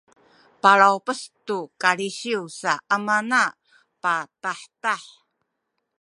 palawpes tu kalisiw sa amana patahtah